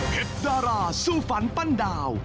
ดาราสู้ฝันปั้นดาว